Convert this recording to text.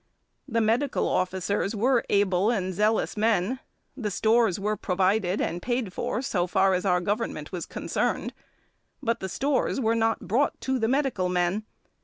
The medical officers were able and zealous men; the stores were provided and paid for so far as our Government was concerned; but the stores were not brought to the medical men.